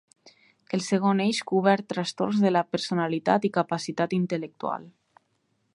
El segon eix cobert trastorns de la personalitat i discapacitat intel·lectual.